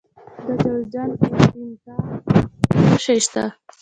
د جوزجان په یتیم تاغ کې څه شی شته؟